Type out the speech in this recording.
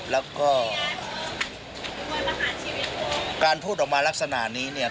แล้วก็การพูดออกมาลักษณะนี้เนี่ย